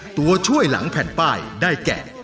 ตัวช่วยหลังแผ่นป้ายได้แก่